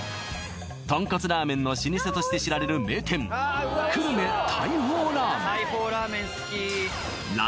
豚骨ラーメンの老舗として知られる名店久留米大砲ラーメン